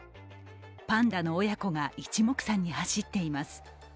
パンダの親子が一目散に走っています。